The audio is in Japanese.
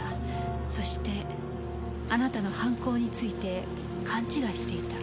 そしてあなたの犯行について勘違いしていた。